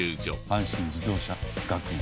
阪神自動車学院。